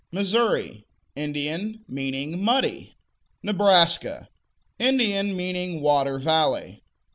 Missouri Indian; meaning "muddy." Nebraska Indian; meaning "water valley."